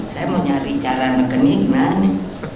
saya mau nyari cara nekennya gimana